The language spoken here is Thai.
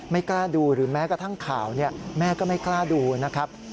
กล้าดูหรือแม้กระทั่งข่าวแม่ก็ไม่กล้าดูนะครับ